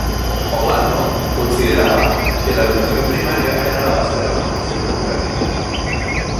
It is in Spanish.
Obando consideraba que la educación primaria era la base de la formación democrática.